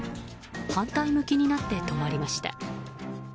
反対向きになって止まりました。